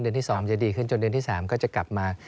ที่๒จะดีขึ้นจนเดือนที่๓ก็จะกลับมา